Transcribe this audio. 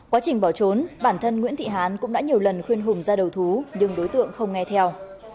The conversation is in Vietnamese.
quá trình bỏ trốn bản thân nguyễn thị hán cũng đã nhiều lần khuyên hùng ra đầu thú nhưng đối tượng không nghe theo